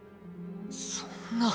そんな。